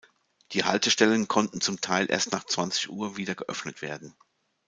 Die Haltestellen konnten zum Teil erst nach zwanzig Uhr wieder geöffnet werden.